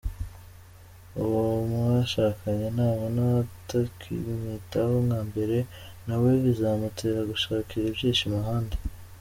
Uwo mwashakanye nabona utakimwitaho nkambere, na we bizamutera gushakira ibyishimo ahandi.